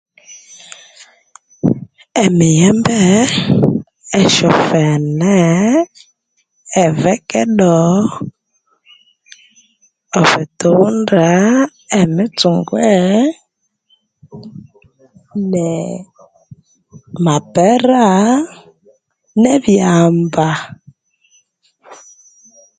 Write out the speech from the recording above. Emiyembe, esyofene, evakado, obuthunda, emitsungwe, ne mapera ne byampa